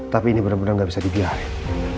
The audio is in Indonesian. tapi ini benar benar nggak bisa dibiayai